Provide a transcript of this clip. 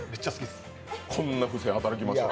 こんな不正働きました。